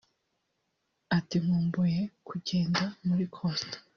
Ati “ Nk’ubu nkumbuye kugenda muri Coaster